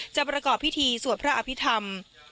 ประกอบพิธีสวดพระอภิษฐรรม